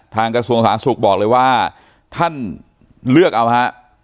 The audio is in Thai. กระทรวงสาธารณสุขบอกเลยว่าท่านเลือกเอาฮะ